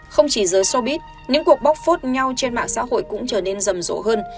không chỉ giới sobit những cuộc bóc phốt nhau trên mạng xã hội cũng trở nên rầm rộ hơn